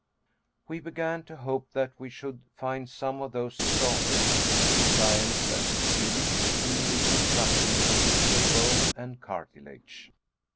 We began to hope that we should find some of those saurians which science has succeeded in reconstructing from bits of bone or cartilage.